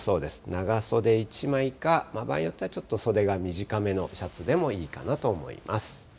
長袖１枚か、場合によっては袖が短めのシャツでもいいかなと思います。